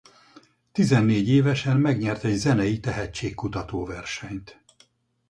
Tizennégy évesen megnyert egy zenei tehetségkutató versenyt.